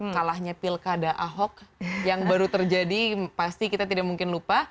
kalahnya pilkada ahok yang baru terjadi pasti kita tidak mungkin lupa